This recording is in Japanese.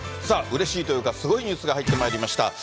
さあ、うれしいというか、すごいニュースが入ってまいりました。